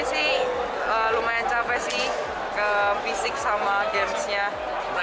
masih lumayan capek sih ke fisik sama games nya